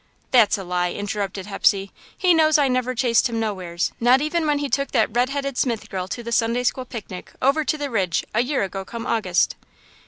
"That's a lie," interrupted Hepsey, "he knows I never chased him nowheres, not even when he took that red headed Smith girl to the Sunday school picnic over to the Ridge, a year ago come August."